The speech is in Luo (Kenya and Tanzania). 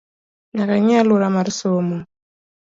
Nyaka ing’i aluora mar somo